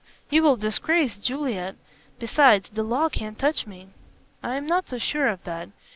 "You will disgrace Juliet. Besides, the law can't touch me." "I am not so sure of that.